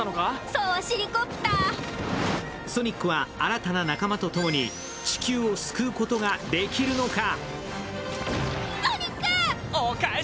ソニックは新たな仲間と共に地球を救うことができるのか。